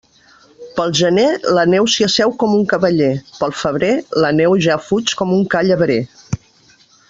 Pel gener, la neu s'hi asseu com un cavaller; pel febrer, la neu ja fuig com un ca llebrer.